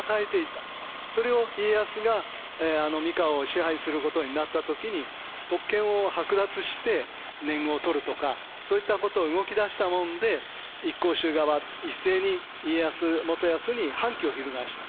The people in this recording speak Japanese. それを家康が三河を支配することになった時に特権を剥奪して年貢を取るとかそういったことを動き出したもんで一向宗側一斉に家康元康に反旗を翻した。